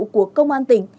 của công an tỉnh